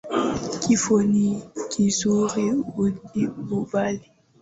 Kifo ni kizuri ukikubali